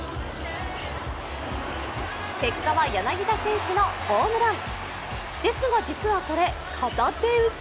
結果は柳田選手のホームラン。